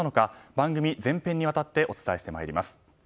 番組全編にわたってお伝えしてまいります。